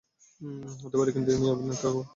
হতে পারে, কিন্তু এই মেয়ে অভিনেত্রী হওয়ার মতো সাহসী নয়।